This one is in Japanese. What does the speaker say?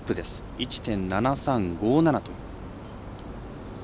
１．７３５７と。